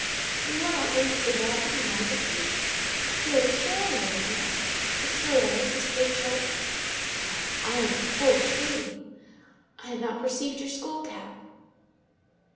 Then you are not going to demand any money of me? You are the curé, are you not? the curé of this big church? Well! I am a fool, truly! I had not perceived your skull cap."